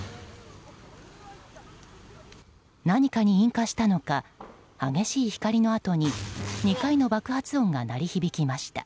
何かに引火したのか激しい光のあとに２回の爆発音が鳴り響きました。